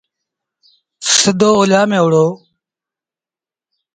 سڌو اوليآ ميݩ وهُڙو